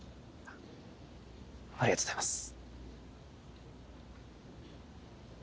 ありがとうございます。